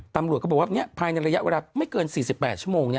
ตำรวจก็บอกว่าภายในระยะเวลาไม่เกิน๔๘ชั่วโมง